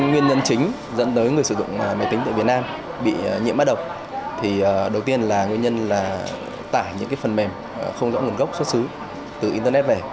nguyên nhân chính dẫn tới người sử dụng máy tính tại việt nam bị nhiễm mã độc đầu tiên là nguyên nhân là tải những phần mềm không rõ nguồn gốc xuất xứ từ internet về